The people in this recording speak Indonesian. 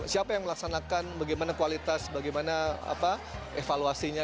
siapa yang melaksanakan bagaimana kualitas bagaimana evaluasinya